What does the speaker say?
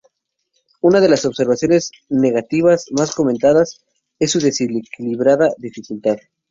Una de las observaciones negativas más comentadas es su desequilibrada dificultad.